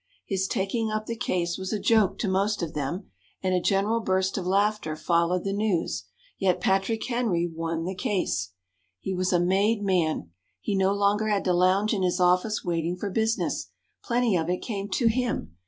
His taking up the case was a joke to most of them, and a general burst of laughter followed the news. Yet Patrick Henry won the case! He was a made man. He no longer had to lounge in his office waiting for business. Plenty of it came to him.